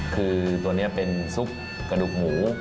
คือตัวนี้เป็นซุปกระดูกหมู